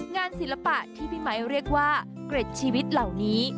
ศิลปะที่พี่ไมค์เรียกว่าเกร็ดชีวิตเหล่านี้